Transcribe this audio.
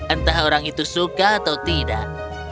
entah orang itu suka atau tidak